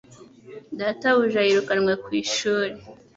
data buja yirukanwe ku ishuri